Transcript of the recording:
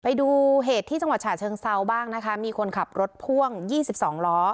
ไปดูเหตุที่จังหวัดฉะเชิงเซาบ้างนะคะมีคนขับรถพ่วง๒๒ล้อ